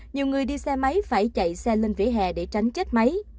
nhiều người đi xe máy phải chạy xe lên vỉa hè để tránh chết máy